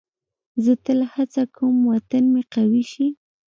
زه تل هڅه کوم وطن مې قوي شي.